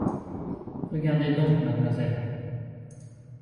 Regardez donc, mademoiselle ?